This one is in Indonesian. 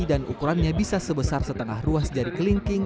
dan ukurannya bisa sebesar setengah ruas jari kelingking